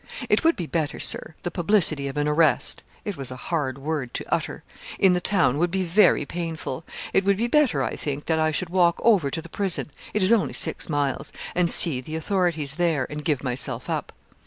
'It would be better, Sir the publicity of an arrest' (it was a hard word to utter) 'in the town would be very painful it would be better I think, that I should walk over to the prison it is only six miles and see the authorities there, and give myself up.'